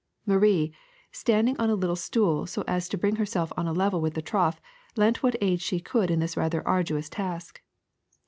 Marie, standing on a little stool so as to bring herself on a level with the trough, lent what aid she could in this rather arduous task.